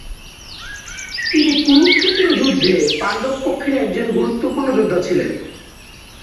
তিনি কুরুক্ষেত্র যুদ্ধে পাণ্ডব পক্ষের একজন গুরুত্বপূর্ণ যোদ্ধা ছিলেন।